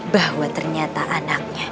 bahwa ternyata anaknya